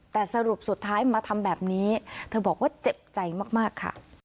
แต่สรุปสุดท้ายมาทำแบบนี้เธอบอกว่าเจ็บใจมากค่ะ